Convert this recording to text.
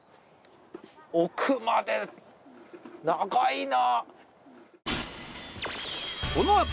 奥まで長いな。